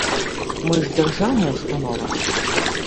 Мы ж дзяржаўная ўстанова!